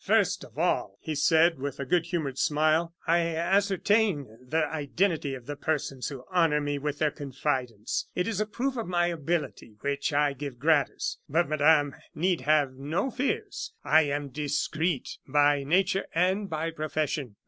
"First of all," he said, with a good humored smile, "I ascertain the identity of the persons who honor me with their confidence. It is a proof of my ability, which I give, gratis. But Madame need have no fears. I am discreet by nature and by profession.